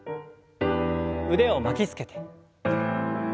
腕を巻きつけて。